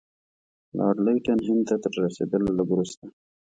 لارډ لیټن هند ته تر رسېدلو لږ وروسته.